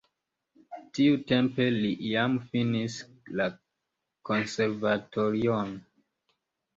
Tiutempe li jam finis la konservatorion.